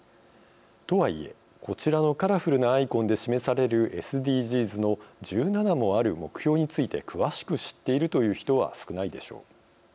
とはいえこちらのカラフルなアイコンで示されるＳＤＧｓの１７もある目標について詳しく知っているという人は少ないでしょう。